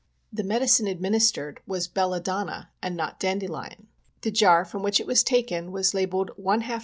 The medicine administered was belladonna and not dandelion. ' The jar from which it was taken was labelled " I lb.